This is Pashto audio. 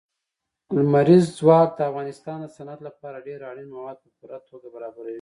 لمریز ځواک د افغانستان د صنعت لپاره ډېر اړین مواد په پوره توګه برابروي.